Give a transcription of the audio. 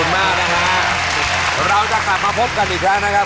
เราจะกลับมาพบกันอีกแล้วนะครับ